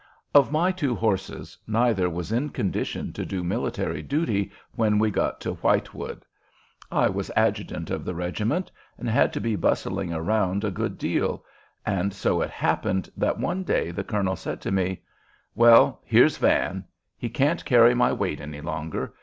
Of my two horses, neither was in condition to do military duty when we got to Whitewood. I was adjutant of the regiment, and had to be bustling around a good deal; and so it happened that one day the colonel said to me, "Well, here's Van. He can't carry my weight any longer.